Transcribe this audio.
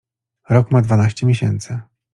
Rok ma dwanaście miesięcy.